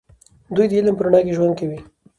دوی د علم په رڼا کې ژوند کوي.